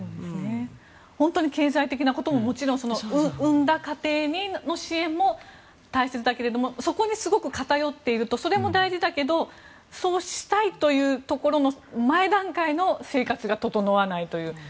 本当に経済的なことも産んだ家庭の支援も大切だけれどもそこにすごく偏っているとそれも大事だけどそうしたいというとこの前段階の生活が整わないという。